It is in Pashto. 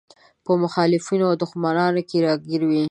په مخالفينو او دښمنانو کې راګير وي.